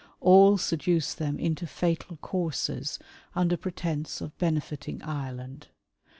All seduce them into fiital courses under pretence of benefiting Ireland.